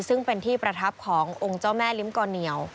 ซึ่งเป็นที่ประทับขององค์เจ้าแม่ลิ้มก่อเหนียว